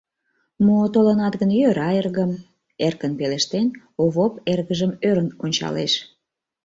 — Мо, толынат гын, йӧра, эргым! — эркын пелештен, Овоп эргыжым ӧрын ончалеш.